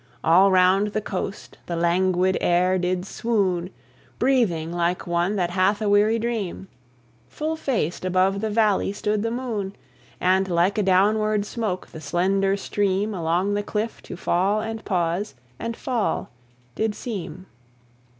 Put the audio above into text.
All round the coast the languid air did swoon, Breathing like one that hath a weary dream. Full faced above the valley stood the moon; And like a downward smoke, the slender stream Along the cliff to fall and pause and fall did seem.